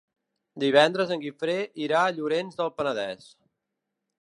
Divendres en Guifré irà a Llorenç del Penedès.